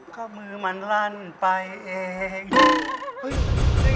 ข้อมือมันลั่นไปเอง